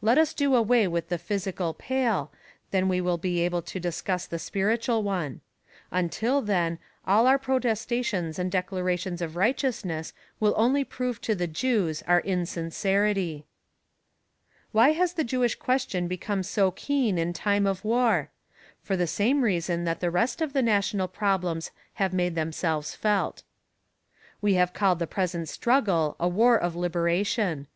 Let us do away with the physical Pale, then we will be able to discuss the spiritual one. Until then, all our protestations and declarations of righteousness will only prove to the Jews our insincerity. Why has the Jewish question become so keen in time of war? For the same reason that the rest of the national problems have made themselves felt. We have called the present struggle a war of liberation.